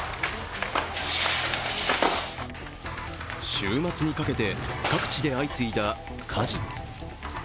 週末にかけて各地で相次いだ火事。